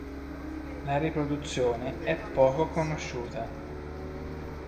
La riproduzione è poco conosciuta.